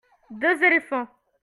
deux éléphants.